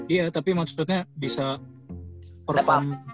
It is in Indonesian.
iya tapi maksudnya bisa perform